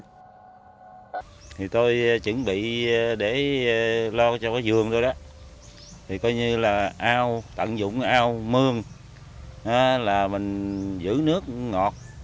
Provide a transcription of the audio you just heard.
thì tôi chuẩn bị để lo cho cái vườn thôi đó thì coi như là ao tận dụng ao mương là mình giữ nước ngọt